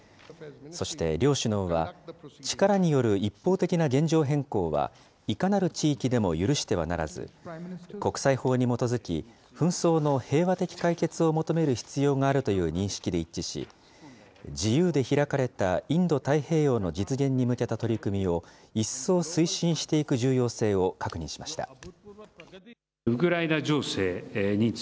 そして両首脳は、力による一方的な現状変更は、いかなる地域でも許してはならず、国際法に基づき、紛争の平和的解決を求める必要があるという認識で一致し、自由で開かれたインド太平洋の実現に向けた取り組みを一層推進していく重要性を確認しました。